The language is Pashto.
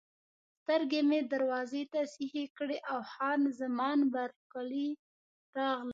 سترګې مې دروازې ته سیخې کړې او خان زمان بارکلي راغله.